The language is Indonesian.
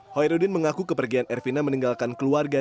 hoirudin mengaku kepergian ervina meninggalkan keluarga